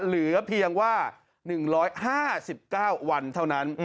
เหลือเพียงว่า๑๕๙วันเท่านั้น